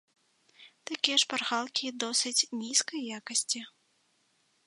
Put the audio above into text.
Такія шпаргалкі досыць нізкай якасці.